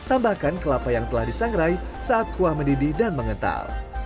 tambahkan kelapa yang telah disangrai saat kuah mendidih dan mengental